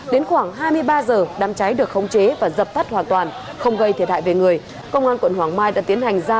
đến khoảng hai mươi ba h đám cháy được khống chế và dập tắt hoàn toàn không gây thiệt hại về người